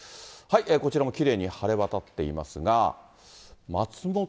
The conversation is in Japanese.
こちらもきれいに晴れ渡っていますが。